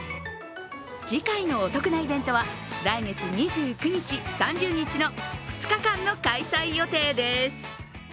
次回のお得なイベントは来月２９日、３０日の２日間の開催予定です。